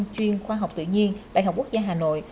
chuyên khoa học tự nhiên đại học quốc gia hà nội